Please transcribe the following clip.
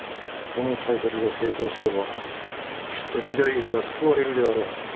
この大作が成功すればきっと時代劇は救われるであろう。